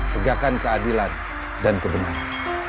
pegangkan keadilan dan kebenaran